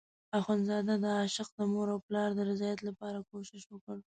اخندزاده د عاشق د مور او پلار د رضایت لپاره کوشش وکړ.